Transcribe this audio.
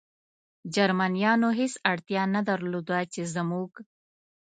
جرمنیانو هېڅ اړتیا نه درلوده، چې زموږ.